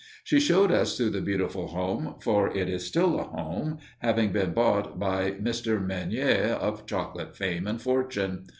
She showed us through the beautiful home, for it is still a home, having been bought by Mr. Meunier, of chocolate fame and fortune.